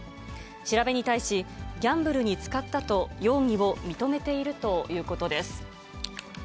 調べに対し、ギャンブルに使ったと容疑を認めているということです。